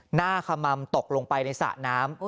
ขมัมตกลงไปในสระน้ำ